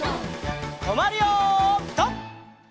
とまるよピタ！